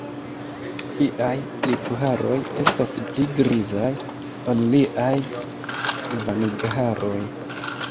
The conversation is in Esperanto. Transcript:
Liaj lipharoj estas pli grizaj, ol liaj vangharoj.